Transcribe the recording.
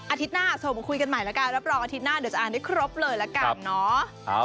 หน้าส่งมาคุยกันใหม่แล้วกันรับรองอาทิตย์หน้าเดี๋ยวจะอ่านได้ครบเลยละกันเนาะ